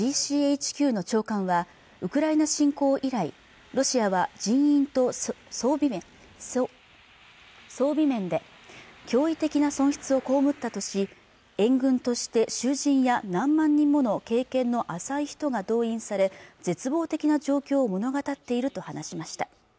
ＧＣＨＱの長官はウクライナ侵攻以来ロシアは人員と装備面で驚異的な損失を被ったとし援軍として囚人や何万人もの経験の浅い人が動員され絶望的な状況を物語っていると話しました